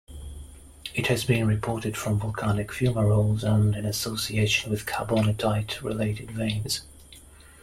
It has been reported from volcanic fumaroles and in association with carbonatite related veins.